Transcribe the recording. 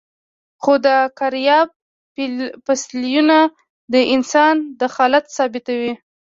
خو د کارایب فسیلونه د انسان دخالت ثابتوي.